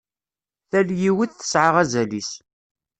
Tal yiwet tesɛa azal-is.